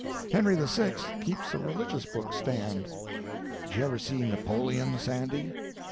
Henry the Sixth keeps a religious book stand." "Did you ever see Napoleon, Sandy?"